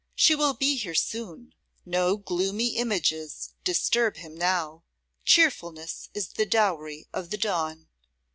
She will be here soon. No gloomy images disturb him now. Cheerfulness is the dowry of the dawn.